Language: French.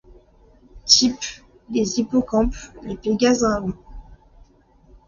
Type : les hippocampes, les pégases dragons.